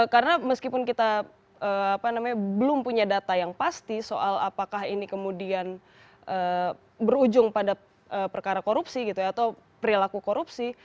karena meskipun kita belum punya data yang pasti soal apakah ini kemudian berujung pada perkara korupsi gitu ya atau perilaku korupsi